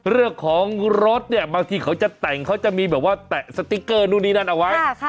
เรื่องของรถเนี่ยบางทีเขาจะแต่งเขาจะมีแบบว่าแตะสติ๊กเกอร์นู่นนี่นั่นเอาไว้